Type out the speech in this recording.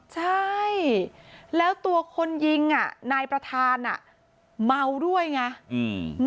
ใช่แล้วตัวคนยิงนายประธานเมาด้วยไง